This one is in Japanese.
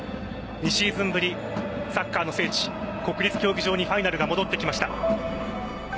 ２シーズンぶりサッカーの聖地国立競技場にファイナルが戻ってきました。